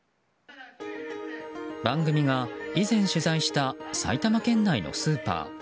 番組が以前、取材した埼玉県内のスーパー。